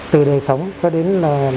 từ đề sống cho đến